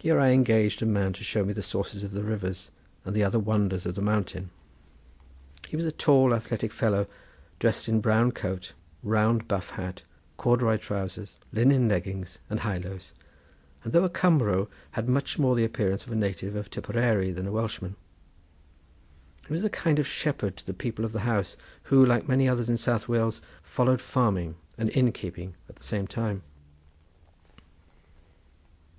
Here I engaged a man to show me the sources of the rivers and the other wonders of the mountain. He was a tall, athletic fellow, dressed in brown coat, round buff hat, corduroy trowsers, linen leggings and highlows, and though a Cumro had much more the appearance of a native of Tipperary than a Welshman. He was a kind of shepherd to the people of the house, who like many others in South Wales followed farming and inn keeping at the same time.